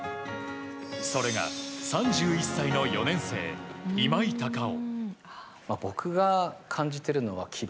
それが３１歳の４年生今井隆生。